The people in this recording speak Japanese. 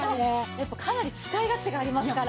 やっぱかなり使い勝手がありますから。